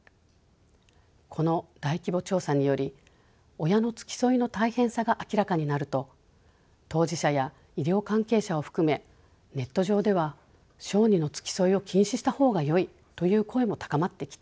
この大規模調査により親の付き添いの大変さが明らかになると当事者や医療関係者を含めネット上では小児の付き添いを禁止した方がよいという声も高まってきています。